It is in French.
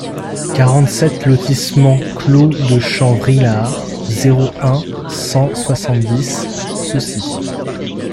quarante-sept lotissement Clos de Champ-Vrillard, zéro un, cent soixante-dix Cessy